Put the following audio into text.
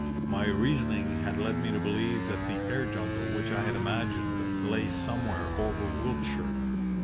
My reasoning had led me to believe that the air jungle which I had imagined lay somewhere over Wiltshire.